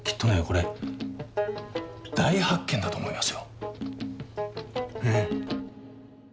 これ大発見だと思いますよ。